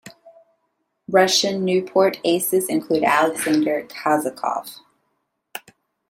Russian Nieuport aces include Alexander Kazakov.